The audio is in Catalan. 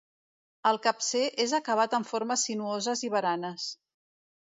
El capcer és acabat en formes sinuoses i baranes.